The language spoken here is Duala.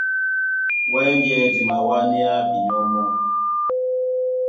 Wɛ́ŋgɛ̄ di mawánéá binyɔ́ mɔ́.